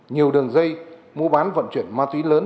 nhiều đường dây mua bán vận chuyển ma túy lớn